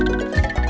kau juga sang ada